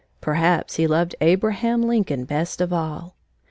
Perhaps he loved Abraham Lincoln best of all.